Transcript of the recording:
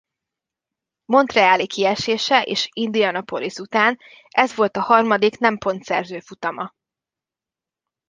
Montreali kiesése és Indianapolis után ez volt a harmadik nem pontszerző futama.